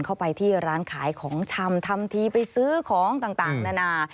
เข้าไปที่ร้านขายของชำทำทีไปซื้อของต่างนานา